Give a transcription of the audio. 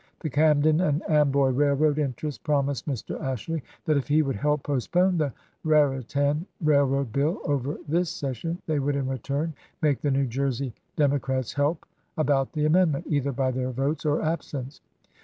The Camden and Amboy Railroad interest promised Mr. Ashley that if he would help postpone the Raritan railroad bill over this session they would in return make the New Jersey Demo crats help about the amendment, either by their votes or absence.